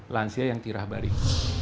lansia yang tirah balik